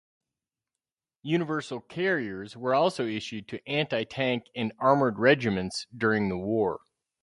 Universal Carriers were also issued to anti-tank and armoured regiments during the war.